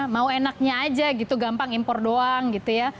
mau enaknya aja gitu gampang impor doang gitu ya